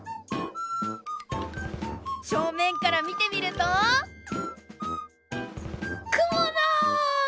しょうめんからみてみるとくもだ！